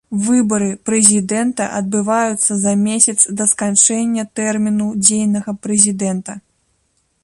Выбары прэзідэнта адбываюцца за месяц да сканчэння тэрміну дзейнага прэзідэнта.